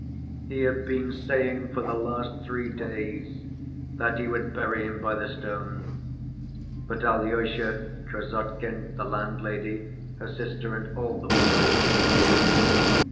He had been saying for the last three days that he would bury him by the stone, but Alyosha, Krassotkin, the landlady, her sister and all the boys interfered.